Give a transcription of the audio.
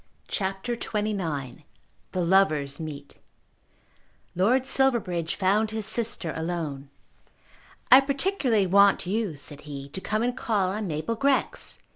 CHAPTER XXIX The Lovers Meet Lord Silverbridge found his sister alone. "I particularly want you," said he, "to come and call on Mabel Grex.